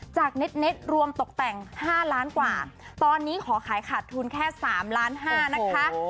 เน็ตรวมตกแต่ง๕ล้านกว่าตอนนี้ขอขายขาดทุนแค่๓ล้านห้านะคะ